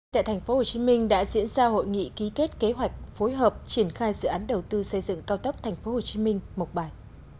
tại tp hcm đã diễn ra hội nghị ký kết kế hoạch phối hợp triển khai dự án đầu tư xây dựng cao tốc tp hcm một bài